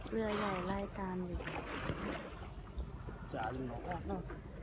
เรือใหญ่ไล่ตามอยู่